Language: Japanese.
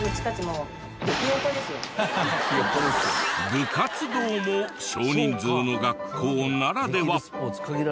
部活動も少人数の学校ならでは。